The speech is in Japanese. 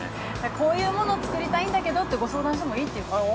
◆こういうものを作りたいんだけどとご相談してもいいということですね。